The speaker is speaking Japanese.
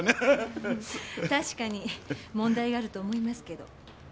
確かに問題があると思いますけど。